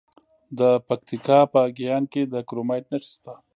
د پکتیکا په ګیان کې د کرومایټ نښې شته.